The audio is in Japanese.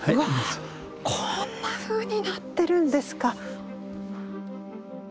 こんなふうになってるんですか！